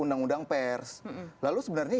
undang undang pers lalu sebenarnya